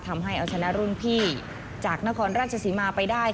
ทำให้เอาชนะรุ่นพี่จากนครราชศรีมาไปได้